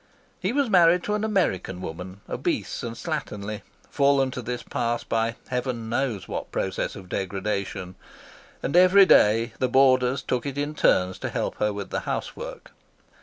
He was married to an American woman, obese and slatternly, fallen to this pass by Heaven knows what process of degradation, and every day the boarders took it in turns to help her with the housework.